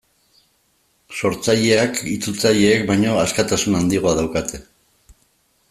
Sortzaileak itzultzaileek baino askatasun handiagoa daukate.